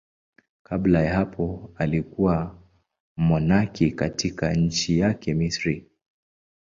Kabla ya hapo alikuwa mmonaki katika nchi yake, Misri.